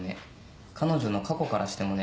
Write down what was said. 彼女の過去からしてもね。